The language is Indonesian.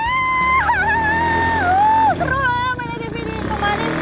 seru banget main atv ini